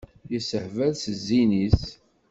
Yessehbal s zzin-is.